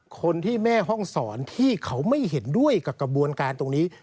คนที่แม่ห้องศรที่เขาไม่เห็นด้วยกับกระบวนการตรงนี้